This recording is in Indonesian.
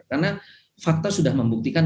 karena fakta sudah membuktikan